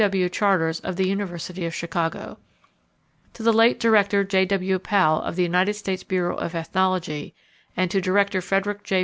W. Charters, of the University of Chicago. To the late Director J. W. Powell, of the United States Bureau of Ethnology, and to Director Frederick J.